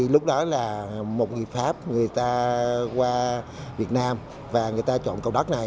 lúc đó là một người pháp người ta qua việt nam và người ta chọn cầu đất này